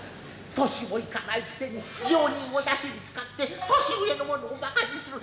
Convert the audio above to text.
年も行かないくせに病人をだしに使って年上の者をばかにする。